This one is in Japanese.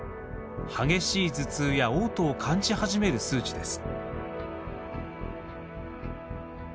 激しい頭痛やおう吐を感じ始める数値です。